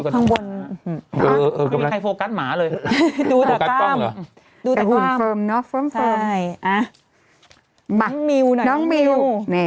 แต่หุ่นเฟิร์มเนอะ